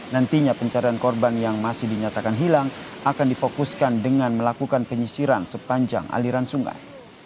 nantinya pencarian korban yang masih dinyatakan hilang akan difokuskan dengan melakukan penyisiran sepanjang aliran sungai